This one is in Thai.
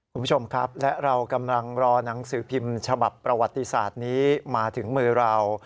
คุณผู้ชมครับและเรากำลังรอหนังสือพิมพ์ฉบับประวัติศาสตร์นี้มาถึงมือเรา